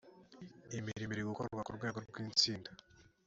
imirimo iri gukorwa ku rwego rw’ itsinda